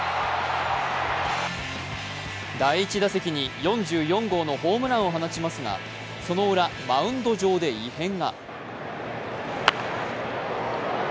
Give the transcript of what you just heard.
第１打席に４４号のホームランを放ちますがそのウラ、マウンド上で異変が。